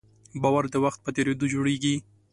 باور د وخت په تېرېدو جوړېږي.